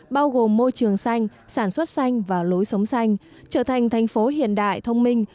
bao gồm môi trường xanh sản xuất xanh và lối sống xanh trở thành thành phố hiện đại thông minh